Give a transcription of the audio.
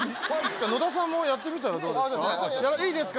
野田さんもやってみたらどうですかいいですか？